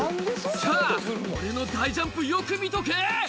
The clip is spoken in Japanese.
「さぁ俺の大ジャンプよく見とけ！」